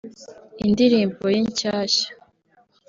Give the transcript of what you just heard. indirimbo ye nshyashya